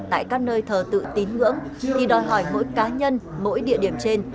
tại các nơi thờ tự tín ngưỡng thì đòi hỏi mỗi cá nhân mỗi địa điểm trên